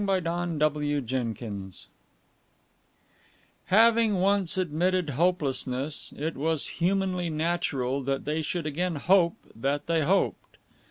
CHAPTER VIII Having once admitted hopelessness, it was humanly natural that they should again hope that they hoped.